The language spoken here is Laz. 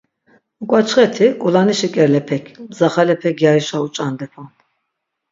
Uk̆açxeti k̆ulanişi k̆elepek mzaxalepe gyarişa uç̆andepan.